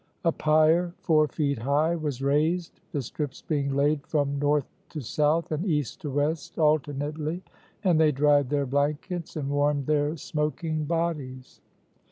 A pyre four feet high was raised, the strips being laid from north to south and east to west alternately, and they dried their blankets and warmed their smoking bodies.